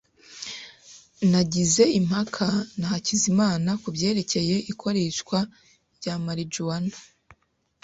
Nagize impaka na Hakizimana kubyerekeye ikoreshwa rya marijuwana.